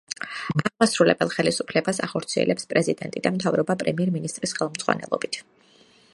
აღმასრულებელ ხელისუფლებას ახორციელებს პრეზიდენტი და მთავრობა პრემიერ-მინისტრის ხელმძღვანელობით.